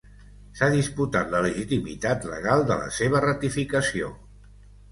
S'ha disputat la legitimitat legal de la seva ratificació.